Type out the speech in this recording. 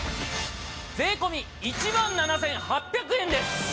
税込１万７８００円です。